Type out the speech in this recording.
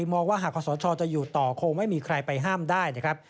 มองว่าหากขอสชจะอยู่ต่อคงไม่มีใครไปห้ามได้นะครับ